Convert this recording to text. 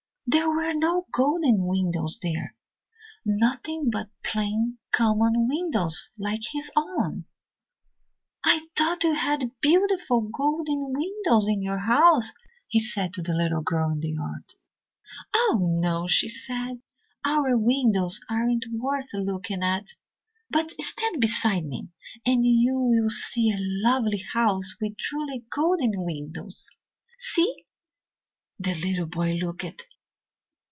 There were no golden windows there nothing but plain, common windows like his own. 'I thought you had beautiful golden windows in your house,' he said to the little girl in the yard. [Illustration: "A lovely house with truly golden windows."] "'Oh, no!' she said; 'our windows aren't worth looking at, but stand beside me and you will see a lovely house with truly golden windows. See?' The little boy looked.